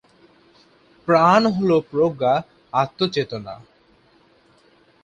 প্রাণ হল প্রজ্ঞা, আত্ম-চেতনা।